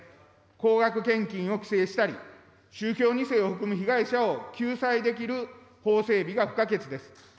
高額献金を規制したり、宗教２世を含む被害者を救済できる法整備が不可欠です。